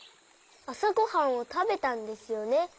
あさごはんをたべたんですよね。